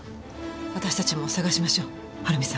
私たちも捜しましょう春美さんを。